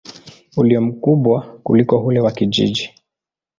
ulio mkubwa kuliko ule wa kijiji.